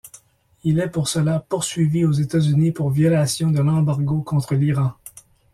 Il est pour cela poursuivi aux États-Unis pour violation de l'embargo contre l'Iran.